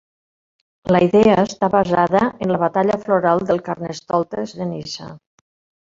La idea està basada en la batalla floral del Carnestoltes de Niça.